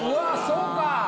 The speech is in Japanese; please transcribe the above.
そうか！